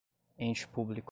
ente público